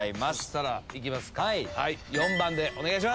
４番でお願いします。